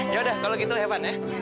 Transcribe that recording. yaudah kalau gitu have fun ya